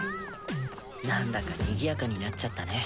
なんだかにぎやかになっちゃったね。